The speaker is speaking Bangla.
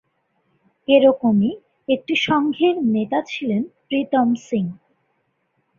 এরকমই একটি সংঘের নেতা ছিলেন প্রীতম সিং।